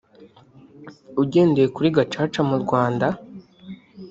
ugendeye kuri Gacaca mu Rwanda